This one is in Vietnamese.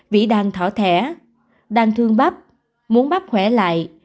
vì đang thỏa thẻ đang thương bắp muốn bắp khỏe lại